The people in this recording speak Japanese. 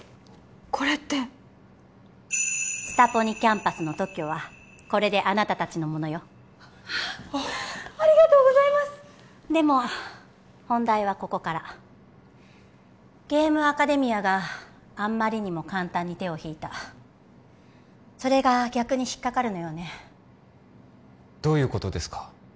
これってスタポニキャンパスの特許はこれであなた達のものよありがとうございますでも本題はここからゲームアカデミアがあんまりにも簡単に手を引いたそれが逆に引っかかるのよねどういうことですか？